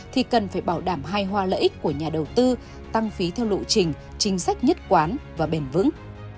thì cần phải bảo đảm hai hoa lợi ích của nhà đầu tư tăng phí theo lộ trình chính sách nhất quán và bền vững